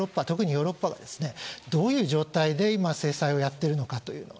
特にヨーロッパはどういう状態で制裁をやっているのか。